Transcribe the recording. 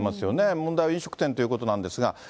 問題は飲食店ということなんですが。